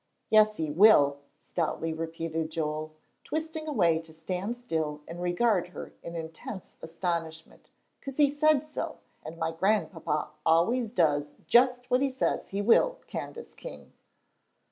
"Yes, he will," stoutly repeated Joel, twisting away to stand still and regard her in intense astonishment, "'cause he said so, and my Grandpapa always does just what he says he will, Candace King."